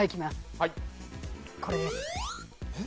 はいこれですえっ？